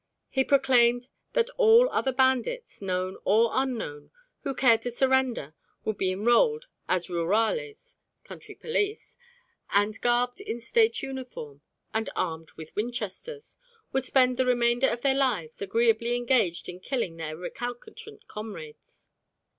He proclaimed that all other bandits, known or unknown, who cared to surrender would be enrolled as rurales, country police, and, garbed in State uniform and armed with Winchesters, would spend the remainder of their lives agreeably engaged in killing their recalcitrant comrades.